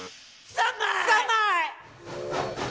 ３枚！